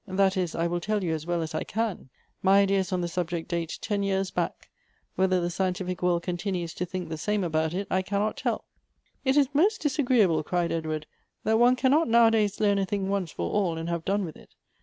" That is I will tell you as well as I can. My ideas on the subject date ten years back ; whether the scientific world continues to think the same about it, I cannot tell." "It is most disagreeable," cried Edward, "that one cannot now a days learn a thing once for all, and have done with it.